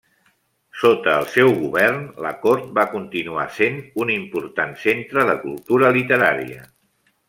Sota el seu govern, la cort va continuar sent un important centre de cultura literària.